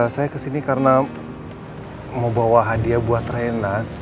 saya kesini karena mau bawa hadiah buat renat